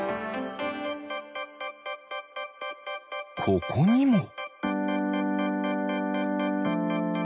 ここにも。